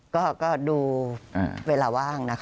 ก็ดูเวลาว่างนะคะ